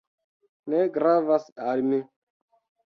Ne gravas al mi."